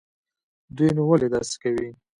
دوى نو ولې داسې کوي.